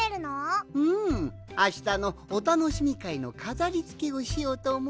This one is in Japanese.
あしたのおたのしみかいのかざりつけをしようとおもってのう。